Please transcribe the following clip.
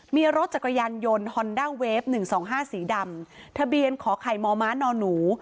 มีรถจักรยานยนต์ฮอนด้าเวฟหนึ่งสองห้าสีดำทะเบียนขอไขมอม้านอหนู